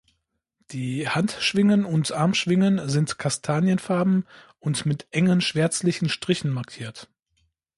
Die Handschwingen und Armschwingen sind kastanienfarben und mit engen schwärzlichen Strichen markiert.